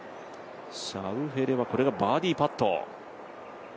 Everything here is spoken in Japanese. シャウフェレはこれがバーディーパット。